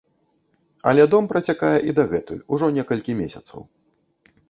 Але дом працякае і дагэтуль, ужо некалькі месяцаў.